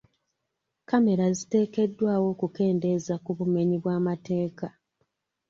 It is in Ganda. Kamera ziteekeddwawo okukendeezza ku bumenyi bw'amateeka.